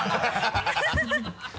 ハハハ